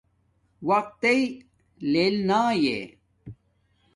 وقت تݵ لیل ناݵ